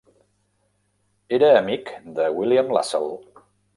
Era amic de William Lassell.